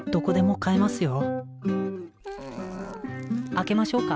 開けましょうか。